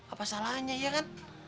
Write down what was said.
apa salahnya ya kan